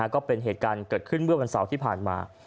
ก็เป็นเหตุการณ์เกิดขึ้นเมื่อวันเสาร์ที่ผ่านมา